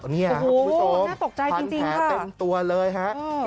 นี่ครับคุณผู้ชมพันแผลเป็นตัวเลยฮะพี่ผีตกใจจริงค่ะ